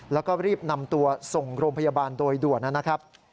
แล้วก็รีบนำตัวส่งโรงพยาบาลโดยด่วนนะครับ